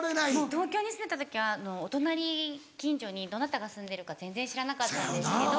東京に住んでた時はお隣近所にどなたが住んでるか全然知らなかったんですけど